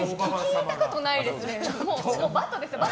聞いたことないですね。